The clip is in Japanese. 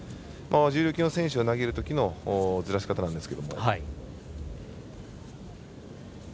重量級の選手が投げるときのずらし方なんですけども。